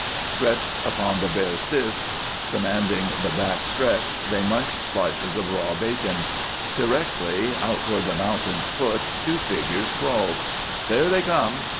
Stretched upon the bare schist, commanding the back stretch, they munched slices of raw bacon. Directly, out toward the mountain's foot two figures crawled. "There they come!"